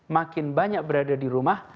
makin banyak berada di rumah